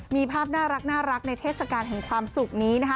มีภาพน่ารักในเทศกาลแห่งความสุขนี้นะคะ